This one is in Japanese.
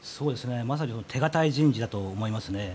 まさに手堅い人事だと思いますね。